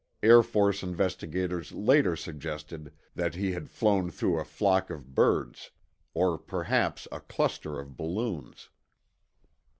Air Force investigators later suggested that he had flown through a flock of birds, or perhaps a cluster of balloons.